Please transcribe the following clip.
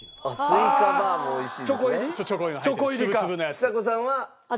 ちさ子さんは？